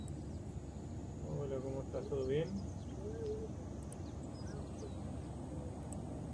El bajista comentó que los bajos Warwick tenían un mástil muy cómodo.